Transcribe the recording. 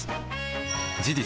事実